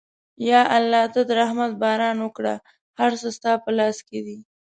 یا الله ته د رحمت باران وکړه، هر څه ستا په لاس کې دي.